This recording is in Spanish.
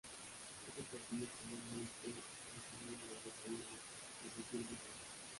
Es un platillo comúnmente consumido en el desayuno, que se sirve con pan.